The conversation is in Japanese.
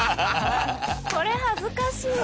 これ恥ずかしい。